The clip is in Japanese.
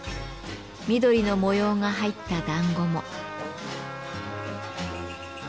緑の模様が入った団子も。